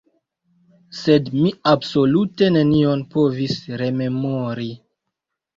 Sed mi absolute nenion povis rememori.